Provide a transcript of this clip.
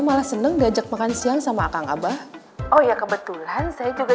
malah seneng diajak makan siang sama kang abah oh ya kebetulan saya juga